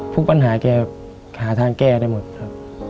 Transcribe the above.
ทุกปัญหาแกหาทางแก้ได้หมดครับ